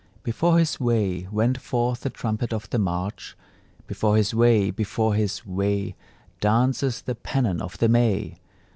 Before his way Went forth the trumpet of the March; Before his way, before his way Dances the pennon of the May!